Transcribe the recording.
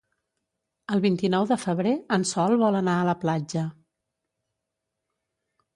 El vint-i-nou de febrer en Sol vol anar a la platja.